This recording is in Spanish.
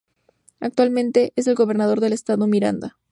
Actualmente es el gobernador del estado Miranda.